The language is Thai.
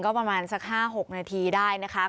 ก็ประมาณสัก๕๖นาทีได้นะคะ